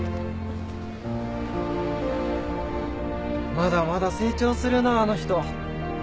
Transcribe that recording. まだまだ成長するなあの人。